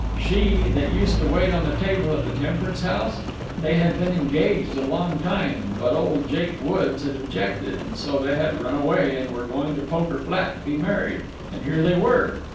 She that used to wait on the table at the Temperance House? They had been engaged a long time, but old Jake Woods had objected, and so they had run away, and were going to Poker Flat to be married, and here they were.